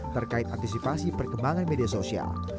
terkait antisipasi perkembangan media sosial